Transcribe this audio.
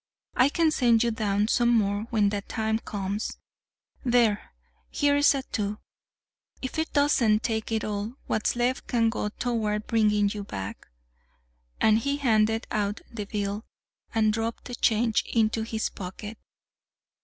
"I can send you down some more when that time comes. There, here's a two; if it doesn't take it all, what's left can go toward bringing you back." And he handed out the bill, and dropped the change into his pocket.